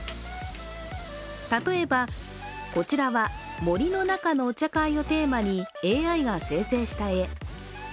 例えば、こちらは、森の中のお茶会をテーマにＡＩが生成した絵。